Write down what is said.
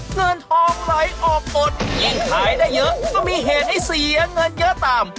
เงินทองไหลออกหมดยิ่งขายได้เยอะก็มีเหตุให้เสียเงินเยอะตาม